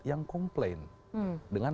yang komplain dengan